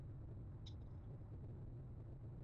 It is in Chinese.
首府加夫萨。